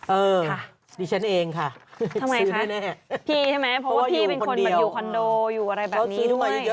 อืมค่ะเพราะว่าพี่เป็นคนอยู่คอนโดอยู่อะไรแบบนี้ด้วยทำไมคะพี่ใช่ไหมเพราะว่าพี่เป็นคนอยู่คนเดียว